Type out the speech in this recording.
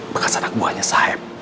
bekas anak buahnya saheb